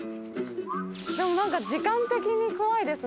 でもなんか時間的に怖いですね。